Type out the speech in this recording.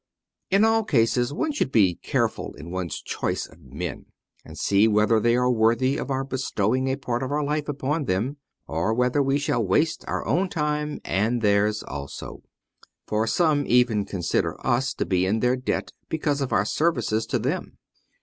In all cases one should be careful in one's choice of men, and see whether they be worthy of our bestowing a part of our life upon them, or whether we shall waste our own time and theirs also : for some even consider us to be in their debt because of our services to them.